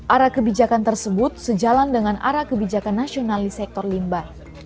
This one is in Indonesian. arah kebijakan tersebut sejalan dengan arah kebijakan nasional di sektor limba